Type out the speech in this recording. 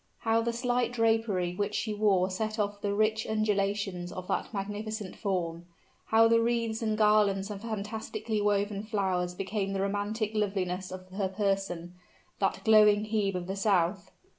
How the slight drapery which she wore set off the rich undulations of that magnificent form! How the wreaths and garlands of fantastically woven flowers became the romantic loveliness of her person that glowing Hebe of the South!